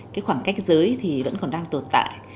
cái khoảng cách giới thì vẫn còn đang tồn tại